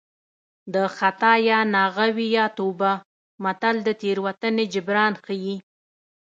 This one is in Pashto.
د خطا یا ناغه وي یا توبه متل د تېروتنې جبران ښيي